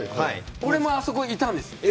俺もあそこにいたんです。